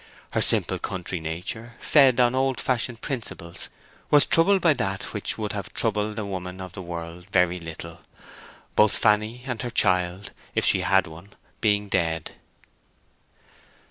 Her simple country nature, fed on old fashioned principles, was troubled by that which would have troubled a woman of the world very little, both Fanny and her child, if she had one, being dead.